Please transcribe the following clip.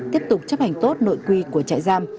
tiếp tục chấp hành tốt nội quy của trại giam